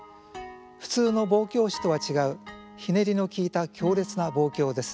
普通の望郷詩とは違うひねりのきいた強烈な望郷です。